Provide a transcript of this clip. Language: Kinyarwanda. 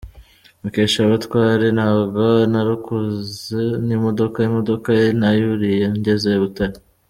Mukeshabatware: Ntabwo narukoze n’imodoka, imodoka nayuriye ngeze i Butare.